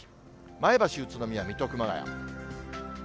前橋、宇都宮、水戸、熊谷。